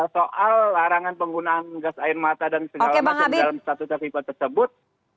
soal larangan penggunaan gas air mata dan segala macam dalam statuta fifa tersebut